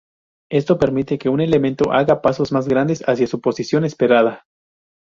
Esto permite que un elemento haga "pasos más grandes" hacia su posición esperada.